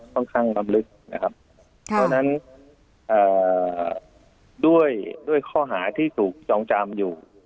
ค่อนข้างลำลึกนะครับเพราะฉะนั้นด้วยข้อหาที่ถูกจองจำอยู่